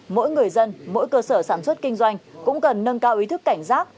mỗi người dân mỗi cơ sở sản xuất kinh doanh cũng cần nâng cao ý thức cảnh giác